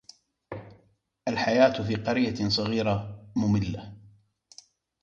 الحياة في قرية صغيرة مملة.